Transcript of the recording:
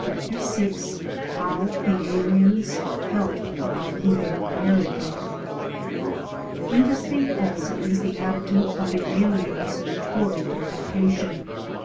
CHAPTER VI HOW THE ALIENS FELT ABOUT LEAVING AMERICA Interesting also is the attitude of the aliens toward deportation.